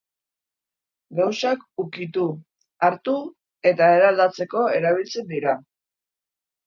Gauzak ukitu, hartu eta eraldatzeko erabiltzen dira.